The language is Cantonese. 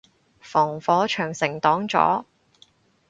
防火長城擋咗